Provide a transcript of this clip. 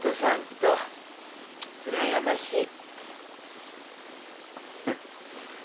でもうらやましい。